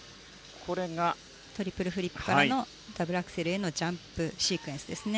トリプルフリップからのダブルアクセルへのジャンプシークエンスですね。